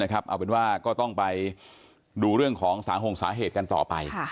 เอาเป็นว่าก็ต้องไปดูเรื่องของสาหงสาเหตุกันต่อไป